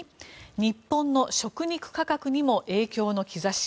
日本の食肉価格にも影響の兆し。